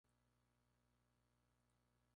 No obstante, la propuesta nunca fue implementada.